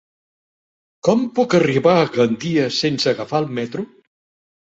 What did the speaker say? Com puc arribar a Gandia sense agafar el metro?